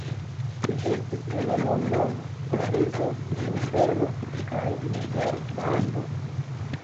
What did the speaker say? Li estis en Londono, Parizo, Bruselo kaj Nederlando.